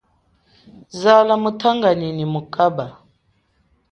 Zala mutanganyi nyi mukaba.